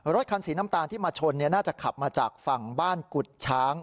รถคันสีน้ำตาลที่มาชนน่าจะขับมาจากฝั่งบ้านกุฎช้าง